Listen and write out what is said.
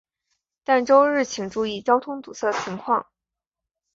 但周日请注意交通堵塞情况。